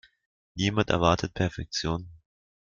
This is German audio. Niemand erwartet Perfektion.